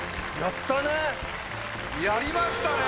やりましたね！